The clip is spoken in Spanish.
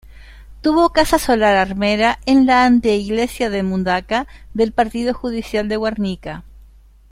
Tuvo casa solar armera en la anteiglesia de Mundaca, del partido judicial de Guernica.